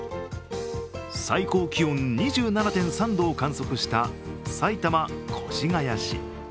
最高気温２７．３度を観測した埼玉・越谷市。